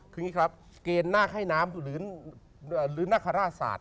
เกรนนักให้น้ำหรือนากฆราชศาสตร์